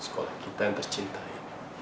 sekolah kita yang tercintai